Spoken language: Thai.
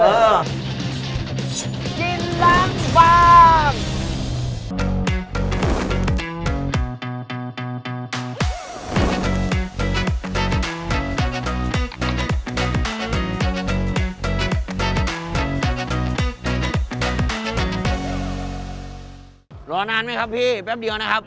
รอนานไหมครับพี่แป๊บเดียวนะครับ